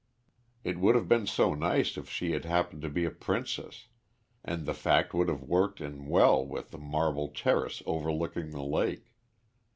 It would have been so nice if she had happened to be a princess, and the fact would have worked in well with the marble terrace overlooking the lake.